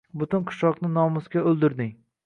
Butun qishloqni nomusga o‘ldirding…